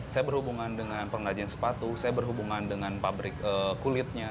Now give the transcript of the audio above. saya berhubungan dengan pengrajin sepatu saya berhubungan dengan pabrik kulitnya